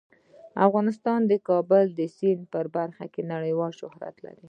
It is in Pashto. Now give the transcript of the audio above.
افغانستان د د کابل سیند په برخه کې نړیوال شهرت لري.